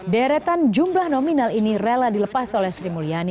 deretan jumlah nominal ini rela dilepas oleh sri mulyani